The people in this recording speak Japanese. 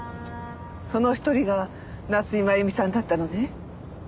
その一人が夏井真弓さんだったのね？